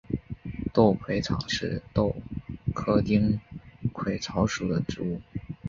丁癸草是豆科丁癸草属的植物。